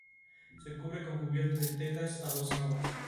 Listas similares existen para muchos otros tipos de productos.